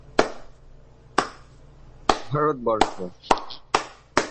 ভারত বর্ষ।